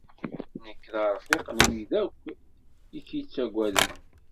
Nekk, d arfiq n wid akk i k-ittaggaden.